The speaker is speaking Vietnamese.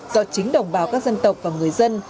do chính đồng bào các dân tộc và người dân